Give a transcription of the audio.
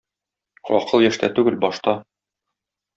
Акыл яшьтә түгел, башта.